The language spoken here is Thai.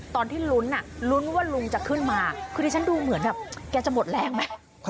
ตอนที่ลุ้นลุ้นว่าลุงจะขึ้นมาคือดิฉันดูเหมือนแบบแกจะหมดแรงไหม